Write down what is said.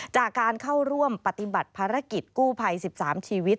จากการเข้าร่วมปฏิบัติภารกิจกู้ภัย๑๓ชีวิต